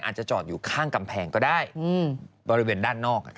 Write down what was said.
จอดอยู่ข้างกำแพงก็ได้บริเวณด้านนอก